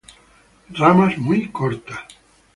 Ramas muy cortas.